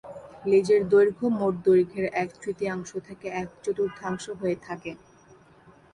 লেজের দৈর্ঘ্য মোট দৈর্ঘ্যের এক-তৃতীয়াংশ থেকে এক- চতুর্থাংশ হয়ে থাকে।